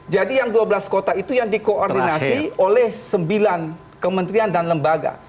jadi yang dua belas kota itu yang dikoordinasi oleh sembilan kementerian dan lembaga